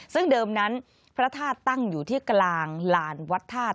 ซึ่งเดิมนั้นพระธาตุตั้งอยู่ที่กลางลานวัดธาตุ